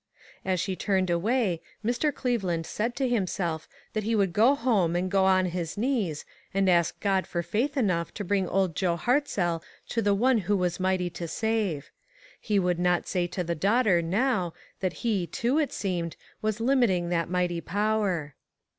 As she turned away, Mr. Cleveland said to himself that he would go home and go on his knees, and ask God for faith enough to bring old Joe Hartzell to the One who ONE OF THE HOPELESS CASES. 325 was mighty to save. He would not say to the daughter, now, that he, too, it seemed, was limiting that mighty power.